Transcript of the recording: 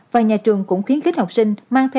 khi bị sử dụng nước uống đóng chai